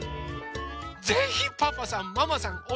ぜひパパさんママさん